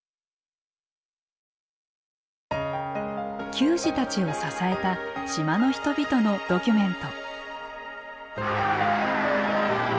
球児たちを支えた島の人々のドキュメント。